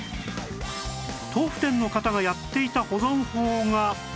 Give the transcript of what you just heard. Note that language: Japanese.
豆腐店の方がやっていた保存法が